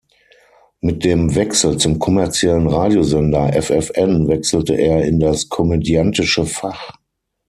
Mit dem Wechsel zum kommerziellen Radiosender ffn wechselte er in das komödiantische Fach.